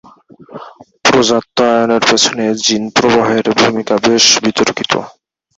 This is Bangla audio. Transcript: প্রজাত্যায়নের পেছনে জিন প্রবাহের ভূমিকা বেশ বিতর্কিত।